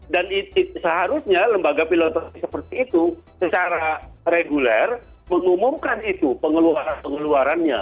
dan seharusnya lembaga filantropi seperti itu secara reguler mengumumkan itu pengeluaran pengeluarannya